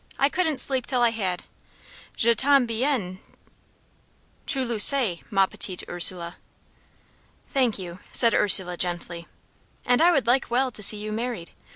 I couldn't sleep till I had. Je t'aime bien, tu le sais, ma petite Ursule." "Thank you," said Ursula, gently. "And I would like well to see you married.